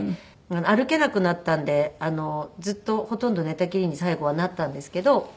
歩けなくなったんでずっとほとんど寝たきりに最後はなったんですけど。